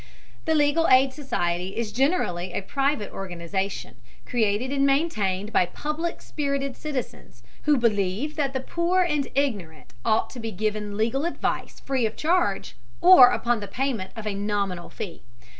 The legal aid society is generally a private organization, created and maintained by public spirited citizens who believe that the poor and ignorant ought to be given legal advice free of charge, or upon the payment of a nominal fee.